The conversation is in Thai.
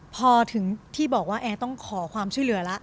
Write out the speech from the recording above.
พอถึงที่บอกว่าแอร์ต้องขอความช่วยเหลือแล้ว